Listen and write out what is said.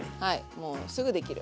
もうすぐできる。